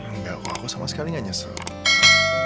enggak aku sama sekali nyesel